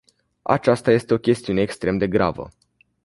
Aceasta este o chestiune extrem de gravă.